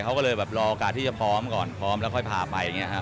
เขาก็เลยแบบรอโอกาสที่จะพร้อมก่อนพร้อมแล้วค่อยพาไปอย่างนี้ครับ